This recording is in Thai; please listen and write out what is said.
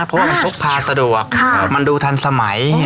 เพราะว่ามันพกพาสะดวกมันดูทันสมัย